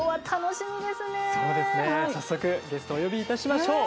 そうですね早速ゲストをお呼びいたしましょう！